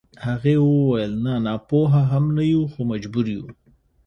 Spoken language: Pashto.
هغې وويل نه ناپوهه هم نه يو خو مجبور يو.